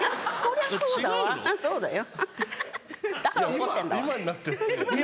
そうだよ。